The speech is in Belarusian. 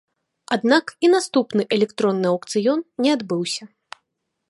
Аднак і наступны электронны аўкцыён не адбыўся.